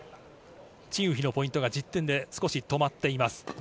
チン・ウヒのポイントが１０点で少し止まっています。